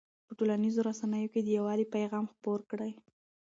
په ټولنیزو رسنیو کې د یووالي پیغام خپور کړئ.